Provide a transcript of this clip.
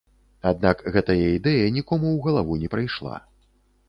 Аднак гэтая ідэя нікому ў галаву не прыйшла.